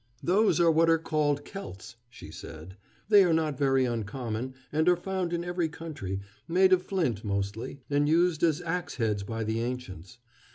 "Those are what are called 'celts,'" she said; "they are not very uncommon, and are found in every country made of flint, mostly, and used as ax heads by the ancients.